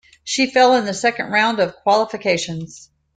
She fell in the second round of qualifications.